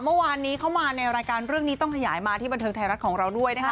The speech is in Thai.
เมื่อวานนี้เข้ามาในรายการเรื่องนี้ต้องขยายมาที่บันเทิงไทยรัฐของเราด้วยนะคะ